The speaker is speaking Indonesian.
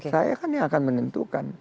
saya kan yang akan menentukan